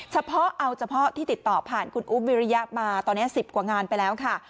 เฉพาะเอาเฉพาะที่ติดต่อผ่านคุณอุ๊บวิริยะมาตอนนี้๑๐กว่างานไปแล้วค่ะ